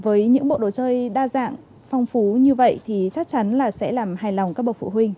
với những bộ đồ chơi đa dạng phong phú như vậy thì chắc chắn là sẽ làm hài lòng các bậc phụ huynh